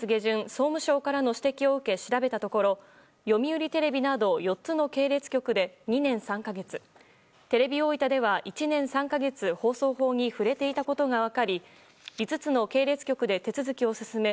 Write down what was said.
総務省からの指摘を受け調べたところ、読売テレビなど４つの系列局で２年３か月テレビ大分では１年３か月放送法に触れていたことが分かり５つの系列局で手続きを進め